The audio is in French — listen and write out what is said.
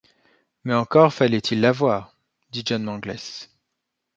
Mais encore fallait-il l’avoir, dit John Mangles.